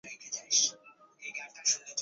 তার জন্য অপেক্ষা করব?